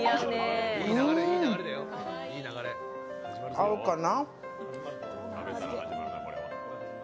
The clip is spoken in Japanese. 合うかな。